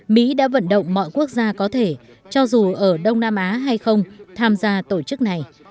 mỹ đã vận động mọi quốc gia có thể cho dù ở đông nam á hay không tham gia tổ chức này